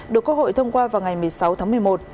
được quốc hội thông qua vào ngày một mươi sáu tháng một mươi một